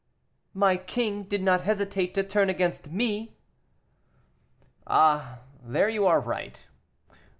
"My king did not hesitate to turn against me." "Ah! there you are right.